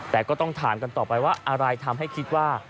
แต่ก็ต้องถามกันต่อไปว่าอะไรทำให้คิดว่า